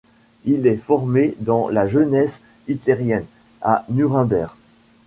Il est formé dans la jeunesse hitlérienne à Nuremberg.